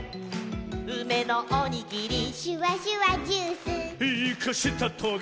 「うめのおにぎり」「シュワシュワジュース」「イカしたトゲ」